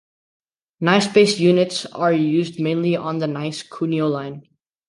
Nice based units are used mainly on the Nice - Cuneo line.